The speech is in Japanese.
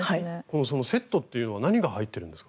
このセットっていうのは何が入ってるんですか？